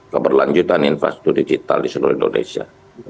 keberlanjutan infrastruktur digital di seluruh indonesia